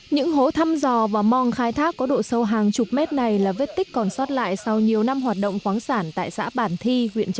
những hố thăm dò và mong khai thác có độ sâu hàng chục mét này là vết tích còn sót lại sau nhiều năm hoạt động khoáng sản tại xã bản thi